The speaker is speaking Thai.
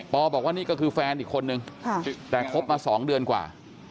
บอกว่านี่ก็คือแฟนอีกคนนึงแต่คบมา๒เดือนกว่า